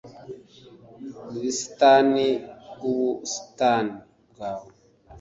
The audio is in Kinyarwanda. mu busitani bwubusitani bwawe